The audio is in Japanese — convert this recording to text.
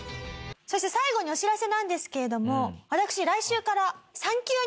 そして最後にお知らせなんですけれども私来週から産休に入ります。